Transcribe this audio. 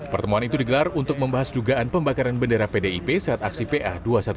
pertemuan itu digelar untuk membahas jugaan pembakaran bendera pdip saat aksi pa dua ratus dua belas